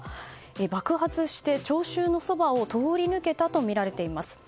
爆発して聴衆のそばを通り抜けたとみられています。